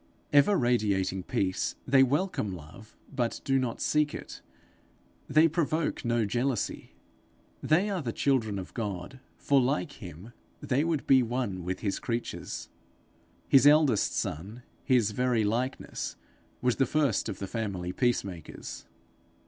Ever radiating peace, they welcome love, but do not seek it; they provoke no jealousy. They are the children of God, for like him they would be one with his creatures. His eldest son, his very likeness, was the first of the family peace makers.